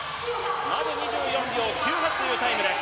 まず２４秒９８というタイムです。